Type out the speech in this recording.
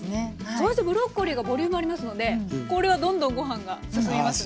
そしてブロッコリーがボリュームありますのでこれはどんどんご飯が進みますね。